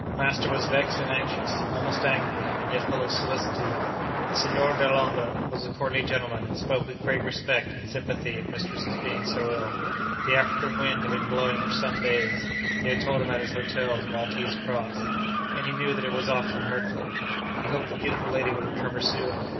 Master was vexed and anxious—almost angry, and yet full of solicitude. The Signor Dellombra was a courtly gentleman, and spoke with great respect and sympathy of mistress's being so ill. The African wind had been blowing for some days (they had told him at his hotel of the Maltese Cross), and he knew that it was often hurtful. He hoped the beautiful lady would recover soon.